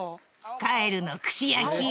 カエルの串焼きよ。